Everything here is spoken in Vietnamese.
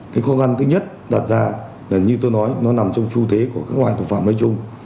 cái khó khăn thứ nhất đặt ra là như tôi nói nó nằm trong xu thế của các loài tội phạm nói chung